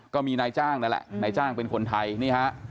ก็มีนายจ้างนั่นแหละนายจ้างเป็นคนไทยนี่ฮะ